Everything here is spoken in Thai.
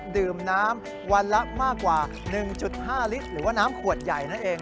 ดื่มน้ำวันละมากกว่า๑๕ลิตรหรือว่าน้ำขวดใหญ่นั่นเอง